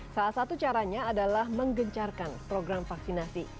salah satu caranya adalah menggencarkan program vaksinasi